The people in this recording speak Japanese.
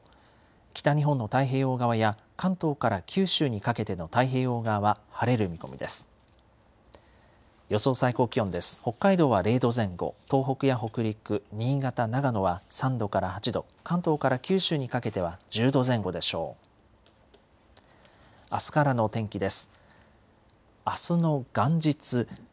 北日本の太平洋側や関東から九州にかけての太平洋側は晴れる見込みです。